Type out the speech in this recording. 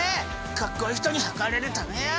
かっこいい人にはかれるためや！